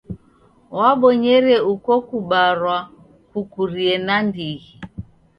W'abonyere uko kubarwa kukurie nandighi.